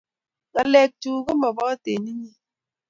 Ngalek chug ko maboten inye